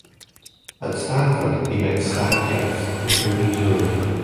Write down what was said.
At Stanford, he met Stan Getz, with whom he toured.